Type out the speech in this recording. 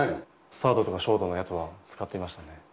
サードとかショートのやつは使っていましたね。